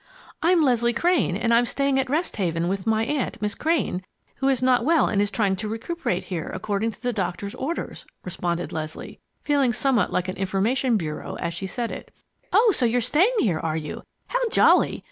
"I'm Leslie Crane, and I'm staying at Rest Haven with my aunt, Miss Crane, who is not well and is trying to recuperate here, according to the doctor's orders," responded Leslie, feeling somewhat like an information bureau as she said it. "Oh, so you're staying here, are you? How jolly!